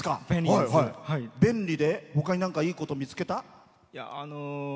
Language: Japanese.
便利で、ほかに何かいいこと見つけた？